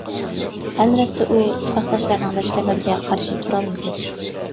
ئەلۋەتتە ئۇ ئىتتىپاقداشلارنىڭ لەشكەرلىرىگە قارشى تۇرالمىدى.